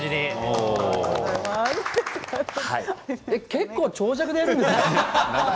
結構長尺でやるんですね。